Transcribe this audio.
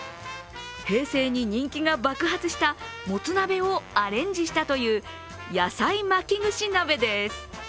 平成に人気が爆発したもつ鍋をアレンジしたという野菜巻き串鍋です。